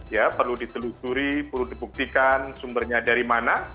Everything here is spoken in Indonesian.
ya perlu ditelusuri perlu dibuktikan sumbernya dari mana